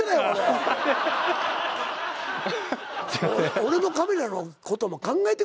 俺のカメラのことも考えてくれ。